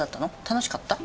楽しかった？